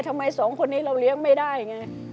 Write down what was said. ทำไมสองคนนี้เราเลี้ยงไม่ได้ไง